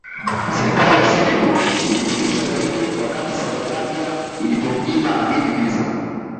Serikali ya Senegal ilimrudisha Zaire wakati Saudi Arabia ilipomnyima Amin visa